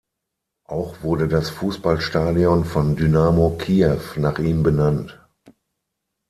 Auch wurde das Fußballstadion von Dynamo Kiew nach ihm benannt.